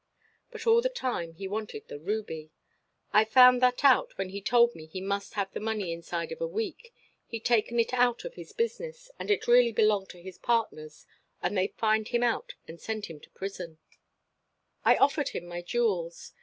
"But all the time he wanted the ruby. I found that out when he told me he must have the money inside of a week; he'd taken it out of his business, and it really belonged to his partners, and they'd find him out and send him to prison "I offered him my jewels.